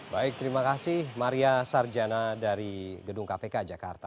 baik terima kasih maria sarjana dari gedung kpk jakarta